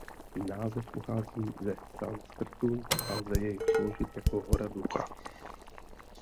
Název pochází ze sanskrtu a lze jej přeložit jako "„Hora ducha“".